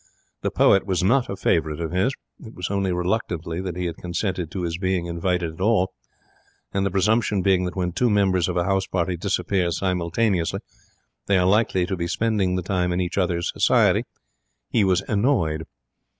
The poet was not a favourite of his it was only reluctantly that he had consented to his being invited at all; and the presumption being that when two members of a house party disappear simultaneously they are likely to be spending the time in each other's society, he was annoyed.